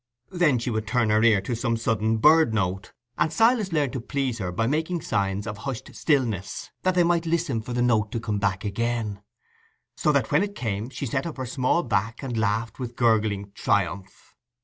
Then she would turn her ear to some sudden bird note, and Silas learned to please her by making signs of hushed stillness, that they might listen for the note to come again: so that when it came, she set up her small back and laughed with gurgling triumph.